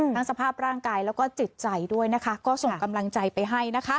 ทั้งสภาพร่างกายแล้วก็จิตใจด้วยก็ส่งกำลังใจไปให้